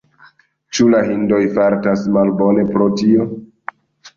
Ĉu la hindoj fartas malbone pro tio?